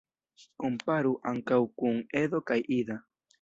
Komparu ankaŭ kun "Edo" kaj "Ida".